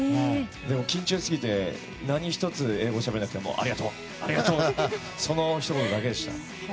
でも、緊張しすぎて何一つ英語をしゃべれなくてありがとう、ありがとう！ってそのひと言だけでした。